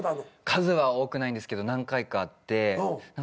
数は多くないんですけど何回かあって。